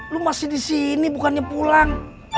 lu masih di sini bukannya pulang